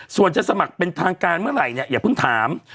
ส่วนจะสมัครเป็นทางการเมื่อไหร่เนี่ยอย่าเพิ่งถาม